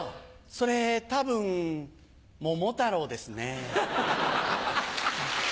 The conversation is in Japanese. それ多分桃太郎ですね。